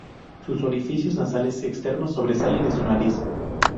Sus orificios nasales externos sobresalen de su nariz.